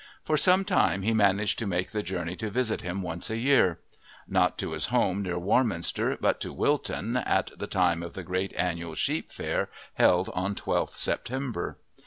For some time he managed to make the journey to visit him once a year. Not to his home near Warminster, but to Wilton, at the time of the great annual sheep fair held on 12th September.